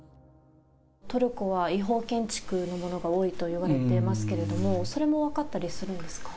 トルコは違法建築のものが多いといわれてますけれども、それも分かったりするんですか？